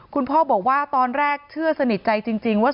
คุณพ่อบอกว่าตอนแรกเชื่อสนิทใจจริงว่า